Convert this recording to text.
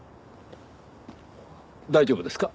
大丈夫ですか？